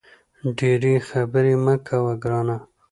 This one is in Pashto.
ډېري خبري مه کوه ګرانه !